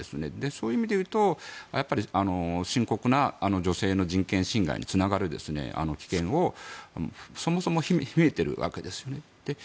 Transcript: そういう意味で言うと深刻な女性の人権侵害につながる危険をそもそも秘めているわけです。